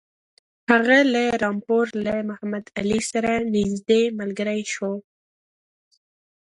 هغه له رامپور له محمدعلي سره نیژدې ملګری شو.